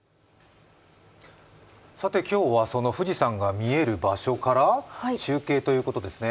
さて今日はその富士山が見える場所から中継ということですね。